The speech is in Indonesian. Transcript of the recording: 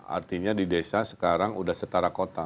artinya di desa sekarang sudah setara kota